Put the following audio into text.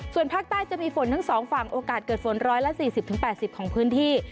ส่วนภาคใต้จะมีฝนทั้งสองฝั่งโอกาสเกิดฝน๑๔๐๘๐ของพื้นที่